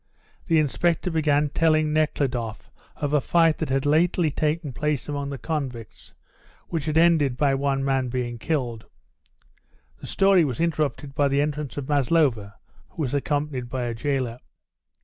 The inspector began telling Nekhludoff of a fight that had lately taken place among the convicts, which had ended by one man being killed. The story was interrupted by the entrance of Maslova, who was accompanied by a jailer.